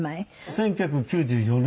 １９９４年。